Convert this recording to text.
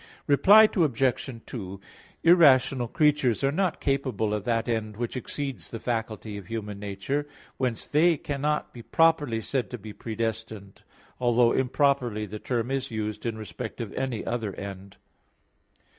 Reply Obj. 2: Irrational creatures are not capable of that end which exceeds the faculty of human nature. Whence they cannot be properly said to be predestined; although improperly the term is used in respect of any other end.